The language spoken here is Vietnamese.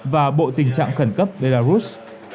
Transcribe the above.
và bộ tình trạng khẩn cấp bên đà rút